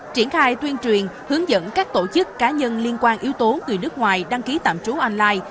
triển khai tuyên truyền hướng dẫn các tổ chức cá nhân liên quan yếu tố người nước ngoài đăng ký tạm trú online